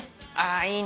いいね。